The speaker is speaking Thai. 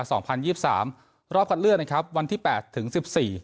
สองพันยี่สิบสามรอบคัดเลือกนะครับวันที่แปดถึงสิบสี่